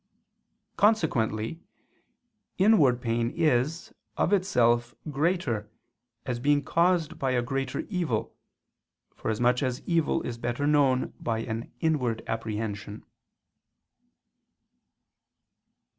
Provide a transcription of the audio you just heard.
Consequently inward pain is, of itself, greater, as being caused by a greater evil, forasmuch as evil is better known by an inward apprehension.